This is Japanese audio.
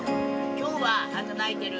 今日はあんた泣いてる。